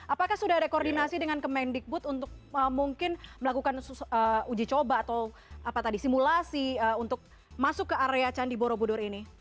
apakah sudah ada koordinasi dengan kemendikbud untuk mungkin melakukan uji coba atau simulasi untuk masuk ke area candi borobudur ini